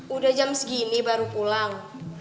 udah jam segini baru pulang